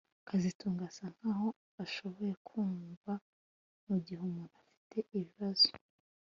kazitunga asa nkaho ashoboye kumva mugihe umuntu afite ibibazo